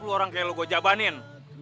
empat puluh orang kayak lo gua jawabkan